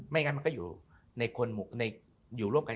ไม่งั้นมันก็อยู่ร่วมกัน